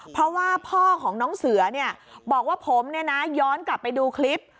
เพราะว่าพ่อของน้องเสือบอกว่าผมย้อนกลับไปดูคลิป